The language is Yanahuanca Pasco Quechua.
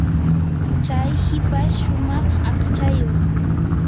chay hipash shumaq aqchayuq.